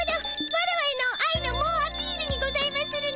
ワラワへのあいのもうアピールにございまするね。